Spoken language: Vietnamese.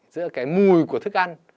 giữa cái mùi của thức ăn